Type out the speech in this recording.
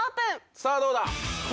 さぁどうだ？